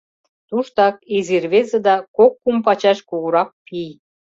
Туштак — изи рвезе да кок-кум пачаш кугурак пий.